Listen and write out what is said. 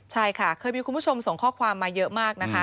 ใช่ค่ะเคยมีคุณผู้ชมส่งข้อความมาเยอะมากนะคะ